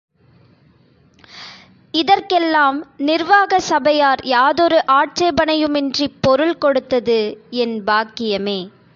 இதற்கெல்லாம் நிர்வாக சபையார் யாதொரு ஆட்சேபணையுமின்றிப் பொருள் கொடுத்தது என் பாக்கியமே.